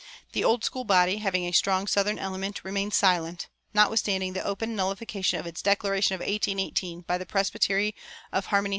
The Old School body, having a strong southern element, remained silent, notwithstanding the open nullification of its declaration of 1818 by the presbytery of Harmony, S.